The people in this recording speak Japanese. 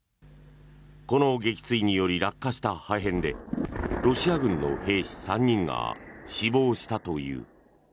この撃墜により落下した破片でロシア軍の兵士３人が死亡したという。